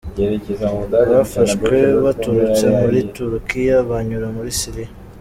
Bafashwe baturutse muri Turukiya banyura muri Syria.